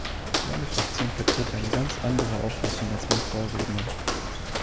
Meine Fraktion vertritt eine ganz andere Auffassung als mein Vorredner.